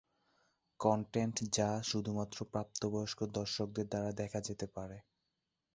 Content যা শুধুমাত্র প্রাপ্তবয়স্ক দর্শকদের দ্বারা দেখা যেতে পারে।